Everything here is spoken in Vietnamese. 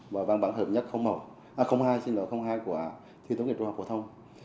và văn bản hợp nhất hai của thi tốt nghiệp trung học phổ thông